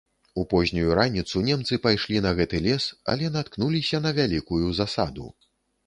У познюю раніцу немцы пайшлі на гэты лес, але наткнуліся на вялікую засаду.